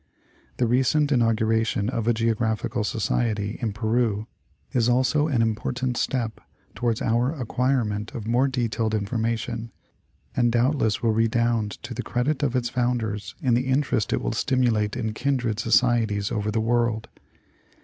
The recent inauguration of a Geographical Society in Peru is also an important step towards our acquirement of more detailed information, and doubtless will redound to the credit of its found ers in the interest it will stimulate in kindred societies over the world.